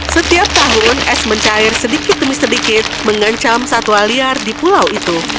setiap tahun es mencair sedikit demi sedikit mengancam satwa liar di pulau itu